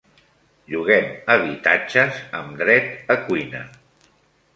Lloguem habitatges amb dret a cuina.